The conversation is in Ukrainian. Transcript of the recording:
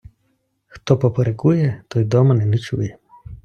хто поперекує, той дома не ночує